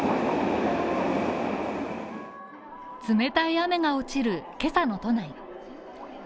冷たい雨が落ちる今朝の都内。